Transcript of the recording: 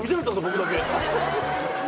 僕だけ。